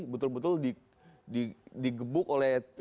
betul betul digebuk oleh